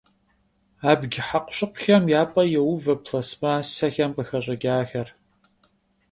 Abc hekhuşıkhuxem ya p'e youve plastmassexem khıxeş'ıç'axer.